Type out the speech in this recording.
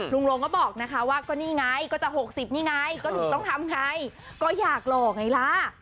ลงก็บอกนะคะว่าก็นี่ไงก็จะ๖๐นี่ไงก็ถึงต้องทำไงก็อยากหล่อไงล่ะ